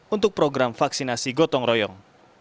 untuk program vaksinasi gotong royong